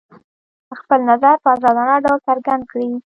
خپل نظر په ازادانه ډول څرګند کړي.